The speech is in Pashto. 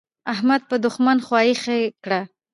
احمد په دوښمن خوا يخه کړه.